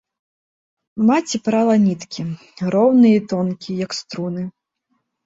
Маці прала ніткі, роўныя і тонкія, як струны.